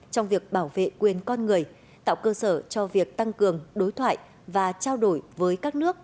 trong việc bảo vệ quyền con người tạo cơ sở cho việc tăng cường đối thoại và trao đổi với các nước